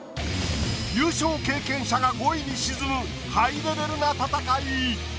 優勝経験者が５位に沈むハイレベルな戦い。